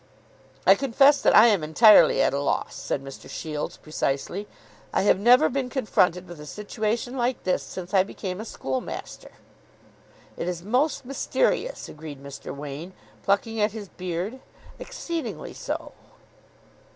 "I confess that I am entirely at a loss," said Mr. Shields precisely. "I have never been confronted with a situation like this since I became a schoolmaster." "It is most mysterious," agreed Mr. Wain, plucking at his beard. "Exceedingly so."